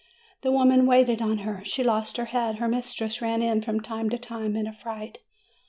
The women waited on her. She lost her head. Her mistress ran in, from time to time, in affright.